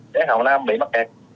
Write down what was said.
bị bắt kẹt